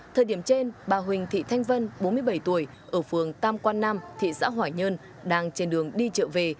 thời điểm trên bà huỳnh thị thanh vân bốn mươi bảy tuổi ở phường tam quan nam thị xã hoài nhơn đang trên đường đi trợ về